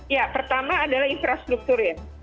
ya pertama adalah infrastruktur ya